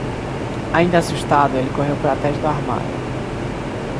Ainda assustado, ele correu para atrás do armário.